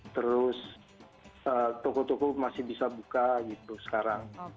terus toko toko masih bisa buka gitu sekarang